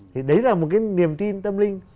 thì đấy là một cái niềm tin tâm linh